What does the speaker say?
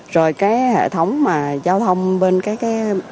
rồi cái hệ thống mà giao thông bên cái hệ thống